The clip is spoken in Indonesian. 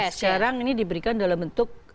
sekarang ini diberikan dalam bentuk